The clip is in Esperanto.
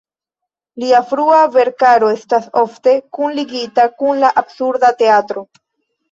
Lia frua verkaro estas ofte kunligita kun la "Absurda Teatro".